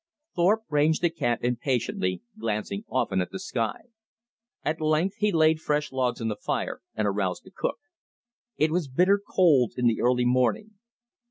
Thorpe ranged the camp impatiently, glancing often at the sky. At length he laid fresh logs on the fire and aroused the cook. It was bitter cold in the early morning.